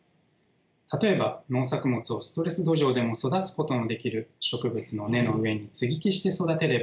例えば農作物をストレス土壌でも育つことのできる植物の根の上に接ぎ木して育てれば